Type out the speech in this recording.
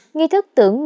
nghi thức tưởng tượng